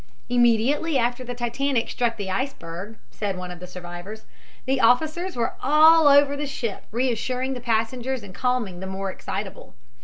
"Immediately after the Titanic struck the iceberg," said one of the survivors, "the officers were all over the ship reassuring the passengers and calming the more excitable.